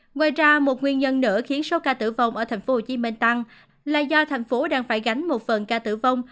ngoài ra một nguyên nhân nữa khiến số ca tử vong ở tp hcm tăng là do thành phố đang phải gánh một phần ca tử vong